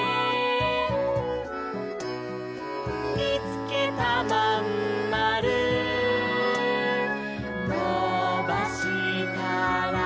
「みつけたまんまるのばしたら」